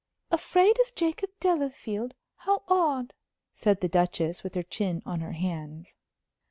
"Afraid of Jacob Delafield? How odd!" said the Duchess, with her chin on her hands.